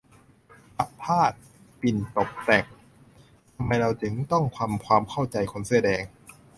ประภาส ปิ่นตบแต่ง : ทำไมเราจึงต้องทำความเข้าใจคนเสื้อแดง